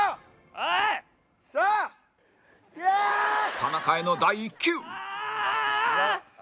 田中への第１球ああ！